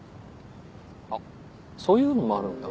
あっそういうのもあるんだ。